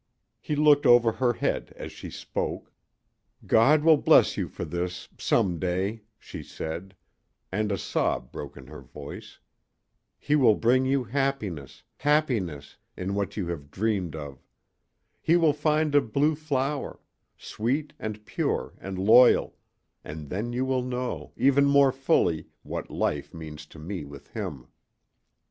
He looked over her head as she spoke. "God will bless you for this some day," she said; and a sob broke in her voice. "He will bring you happiness happiness in what you have dreamed of. You will find a blue flower sweet and pure and loyal and then you will know, even more fully, what life means to me with him."